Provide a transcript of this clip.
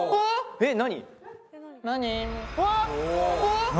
えっ何？